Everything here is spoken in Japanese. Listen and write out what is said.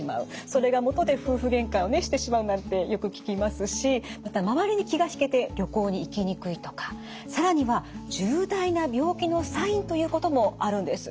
それがもとで夫婦げんかをしてしまうなんてよく聞きますしまた周りに気が引けて旅行に行きにくいとか更には重大な病気のサインということもあるんです。